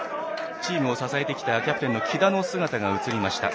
チームを支えてきたキャプテンの喜田の姿が映りました。